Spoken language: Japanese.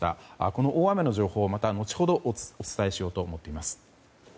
この大雨の情報また後ほどお伝えしようと思います。